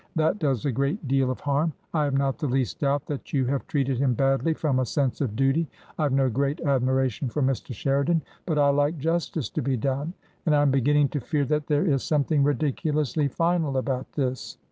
That does a great deal of harm! I have not the least doubt that you have treated him badly — from a sense of duty. I've no great admiration for Mr. Sheridan, but I like justice to be done. And I am beginning to fear that there is something ridiculously final about this."